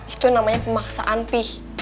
itu namanya pemaksaan pi